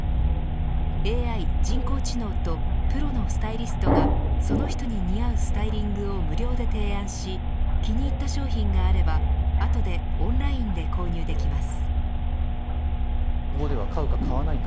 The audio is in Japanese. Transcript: ＡＩ人工知能とプロのスタイリストがその人に似合うスタイリングを無料で提案し気に入った商品があれば後でオンラインで購入できます。